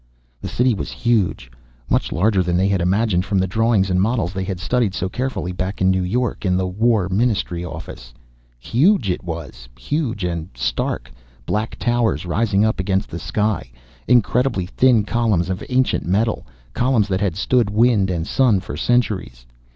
The City was huge, much larger than they had imagined from the drawings and models they had studied so carefully back in New York, in the War Ministry Office. Huge it was, huge and stark, black towers rising up against the sky, incredibly thin columns of ancient metal, columns that had stood wind and sun for centuries.